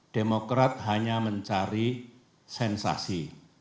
demokrat hanya mencari sensasi